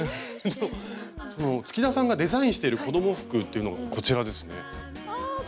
月田さんがデザインしている子ども服というのがこちらですね。